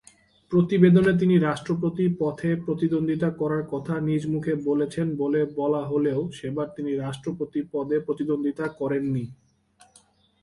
প্রতিবেদনে তিনি রাষ্ট্রপতি পথে প্রতিদ্বন্দ্বিতা করার কথা নিজ মুখে বলেছেন বলে বলা হলেও সেবার তিনি রাষ্ট্রপতি পদে প্রতিদ্বন্দ্বিতা করেন নি।